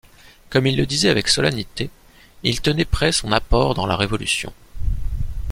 Comme il le disait avec solennité, il tenait prêt son apport dans la révolution.